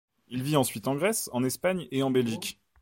Il vit ensuite en Grèce, en Espagne et en Belgique.